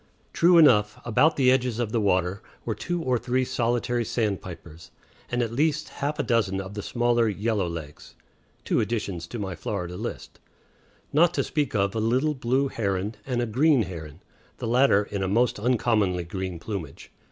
True enough, about the edges of the water were two or three solitary sandpipers, and at least half a dozen of the smaller yellowlegs, two additions to my Florida list, not to speak of a little blue heron and a green heron, the latter in most uncommonly green plumage.